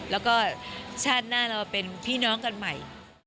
แล้วก็ชาติหน้าเรามาเป็นพี่น้องกันใหม่